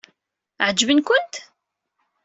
Ɛeǧben-kent?